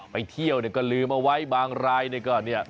ไปเที่ยวเนี่ยก็ลืมเอาไว้บางรายเนี่ยก็เนี่ย